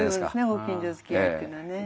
ご近所づきあいっていうのはね。